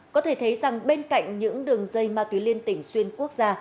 có thể thấy rằng bên cạnh những đường dây ma túy liên tỉnh xuyên quốc gia